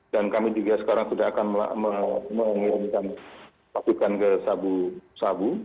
dan kami juga sekarang sudah akan mengirimkan pasukan ke sabu sabu